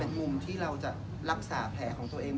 มุมที่เราจะรักษาแผลของตัวเอง